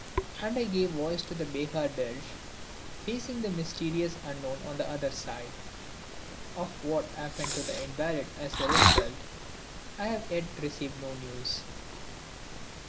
And I gave voice to that Behaga dirge facing the mysterious unknown on the other side. Of what happened to the invalid as the result I have yet received no news.